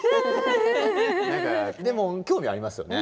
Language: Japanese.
でも興味ありますよね。